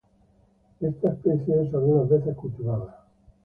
Esta especie es algunas veces cultivada.